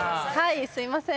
すいません。